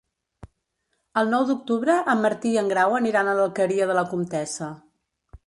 El nou d'octubre en Martí i en Grau aniran a l'Alqueria de la Comtessa.